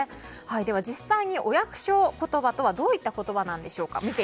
では実際に、お役所言葉とはどういった言葉でしょうか。